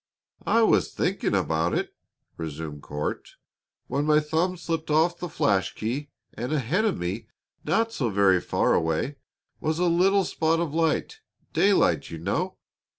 "I was thinking about it," resumed Court, "when my thumb slipped off the flash key, and ahead of me, not so very far away, was a little spot of light daylight, you know.